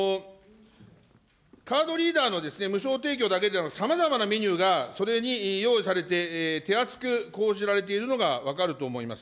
カードリーダーの無償提供だけではなく、さまざまなメニューがそれに用意されて、手厚く講じられているのが分かると思います。